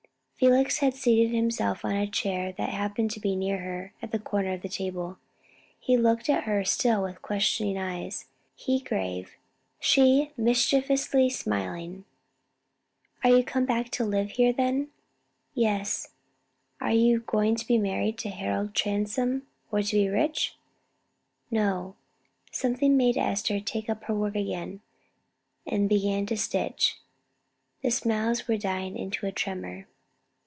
Felix had seated himself on a chair that happened to be near her, at the corner of the table. He looked at her still with questioning eyes he grave, she mischievously smiling. "Are you come back to live here then?" "Yes." "You are not going to be married to Harold Transome, or to be rich?" "No." Something made Esther take up her work again, and begin to stitch. The smiles were dying into a tremor.